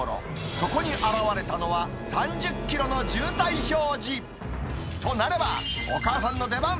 そこに現れたのは、３０キロの渋滞表示。となれば、お母さんの出番。